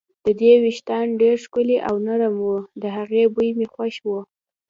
د دې وېښتان ډېر ښکلي او نرم وو، د هغې بوی مې خوښ و.